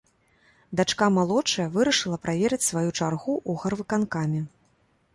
Дачка малодшая вырашыла праверыць сваю чаргу ў гарвыканкаме.